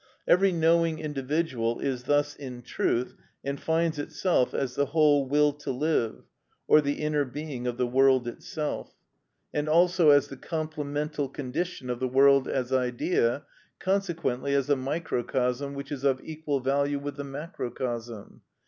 Every knowing individual is thus in truth, and finds itself as the whole will to live, or the inner being of the world itself, and also as the complemental condition of the world as idea, consequently as a microcosm which is of equal value with the macrocosm.